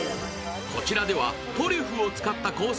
こちらではトリュフを使ったコース